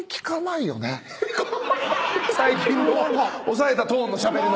最近の抑えたトーンのしゃべりの。